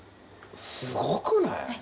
すごくない？